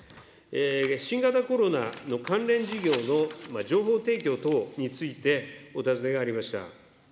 新型コロナの関連事業の情報提供等について、お尋ねがありました。